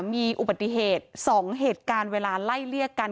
มีอุบัติเหตุ๒เหตุการณ์เวลาไล่เลี่ยกัน